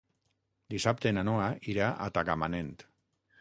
Dissabte na Noa irà a Tagamanent.